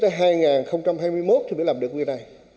tôi nghĩ làm được nguyên này